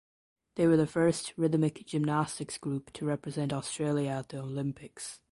They were the first rhythmic gymnastics group to represent Australia at the Olympics.